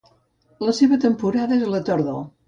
La seva temporada és la tardor.